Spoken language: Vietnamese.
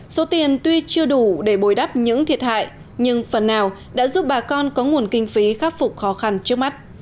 số tiền tuy chưa đủ để bồi đắp những thiệt hại nhưng phần nào đã giúp bà con có nguồn kinh phí khắc phục khó khăn trước mắt